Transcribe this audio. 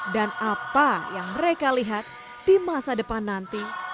dan apa yang mereka lihat di masa depan nanti